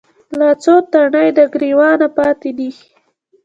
لا څــــو تڼۍ د ګــــــرېوانه پاتـې دي